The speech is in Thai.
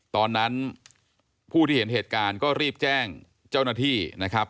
ตอนนั้นผู้ที่เห็นเหตุการณ์ก็รีบแจ้งเจ้าหน้าที่นะครับ